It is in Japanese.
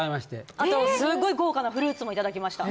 あとすごい豪華なフルーツもいただきました